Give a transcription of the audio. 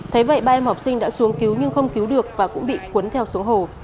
thấy vậy ba em học sinh đã xuống cứu nhưng không cứu được và cũng bị cuốn theo xuống hồ